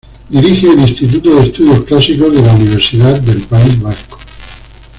Dirige el Instituto de Estudios Clásicos de la Universidad del País Vasco.